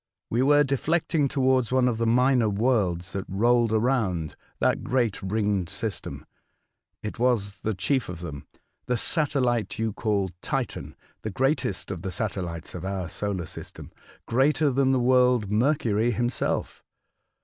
We were deflecting towards one of the minor worlds that rolled around that great ringed 182 A Voyage to Other Worlds. system. It was the chief of them — the satellite you call Titan, the greatest of the satellites of our solar system, greater than the world Mer cury himself.